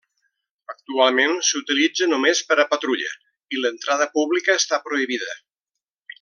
Actualment s'utilitza només per a patrulla i l'entrada pública està prohibida.